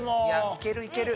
いけるいける。